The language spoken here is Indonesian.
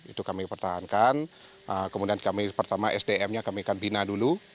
itu kami pertahankan kemudian kami pertama sdm nya kami akan bina dulu